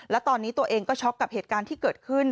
และตอนนี้ตัวเองก็ช็อกกับเหตุการณ์ที่เกิดขึ้น